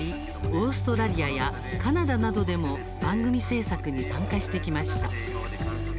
オーストラリアやカナダなどでも番組制作に参加してきました。